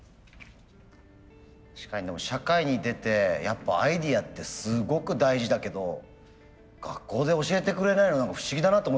確かにでも社会に出てやっぱアイデアってすごく大事だけど学校で教えてくれないの何か不思議だなと思いました。